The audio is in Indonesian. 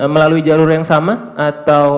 melalui jalur yang sama atau